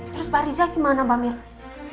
terus pak riza gimana mbak mira